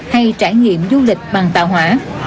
hay trải nghiệm du lịch bằng tạo hỏa